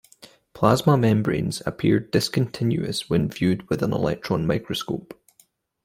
Plasma membranes appear discontinuous when viewed with an electron microscope.